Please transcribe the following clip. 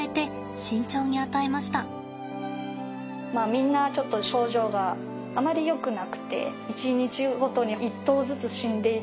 みんなちょっと症状があまりよくなくて１日ごとに１頭ずつ死んでいってしまうというような。